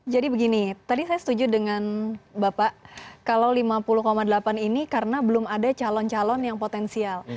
jadi begini tadi saya setuju dengan bapak kalau lima puluh delapan ini karena belum ada calon calon yang potensial